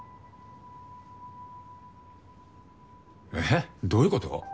えどういうこと？